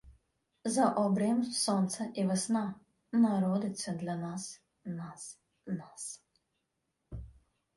За обрієм Сонце і весна Народиться для нас, нас, нас...